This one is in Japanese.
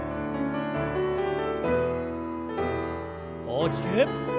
大きく。